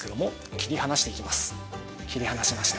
切り離しました。